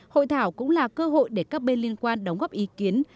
hội thảo cũng là cơ hội để các bên liên quan đóng góp ý kiến